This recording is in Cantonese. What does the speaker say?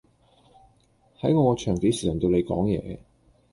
喺我個場幾時輪到你講嘢